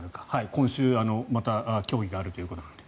今週、また協議があるということなので。